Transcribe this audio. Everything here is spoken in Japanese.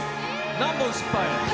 何本失敗？